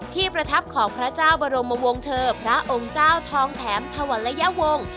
ประทับของพระเจ้าบรมวงเธอพระองค์เจ้าทองแถมธวรยวงศ์